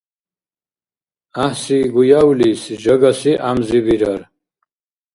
ГӀяхӀси гуявлис жагаси гӀямзи бирар.